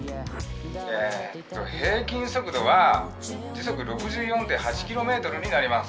えっと平均速度は時速６４．８ｋｍになります。